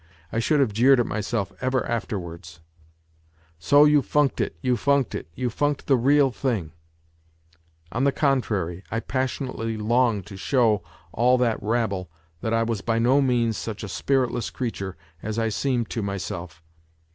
I should have jeered at myself ever afterwards :" So you funked it, you funked it, you funked the real thing .'" On the contrary, I passionately longed to show all that " rabble " that I was by no means such a spiritless creature as I seemed to myself.